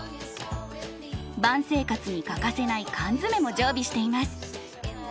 バン生活に欠かせない缶詰も常備しています。